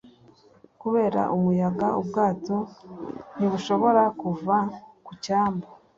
kubera umuyaga, ubwato ntibushobora kuva ku cyambu